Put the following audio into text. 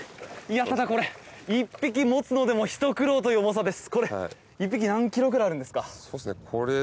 ただこれ、１匹持つのでもひと苦労という重さです。